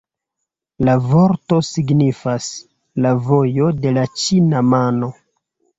La vorto signifas «la vojo de la ĉina mano».